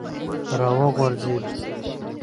را وغورځېد.